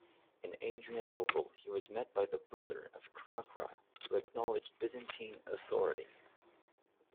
In Adrianople he was met by the brother of Krakra who acknowledged Byzantine authority.